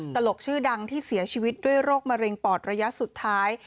ตลกชื่อดังที่เสียชีวิตด้วยโรคมะเร็งปอดระยะสุดท้าย